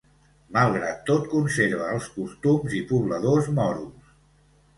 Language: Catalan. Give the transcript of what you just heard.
Malgrat tot conserva els costums i pobladors moros.